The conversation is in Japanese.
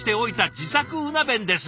自作うな弁です」。